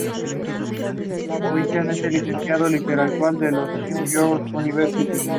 El evento se desarrollaría en el estadio de boxeo Bristol.